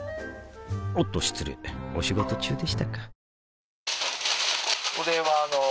おっと失礼お仕事中でしたか